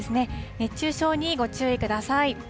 熱中症にご注意ください。